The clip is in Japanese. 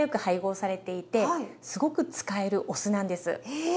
へえ。